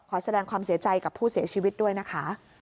แสดงความเสียใจกับผู้เสียชีวิตด้วยนะคะ